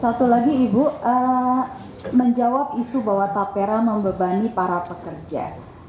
satu lagi ibu menjawab isu bahwa tapera membebani para pekerja